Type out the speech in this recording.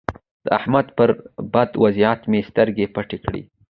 د احمد پر بد وضيعت مې سترګې پټې کړې.